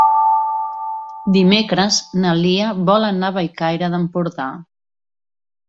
Dimecres na Lia vol anar a Bellcaire d'Empordà.